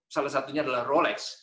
salah satunya adalah rolex